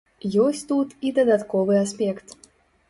Ёсць тут і дадатковы аспект.